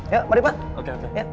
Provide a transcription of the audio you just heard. ya mari pak